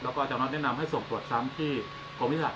แล้วก็จำนวนแนะนำให้ส่งตรวจซ้ำที่โครมวิศษาตร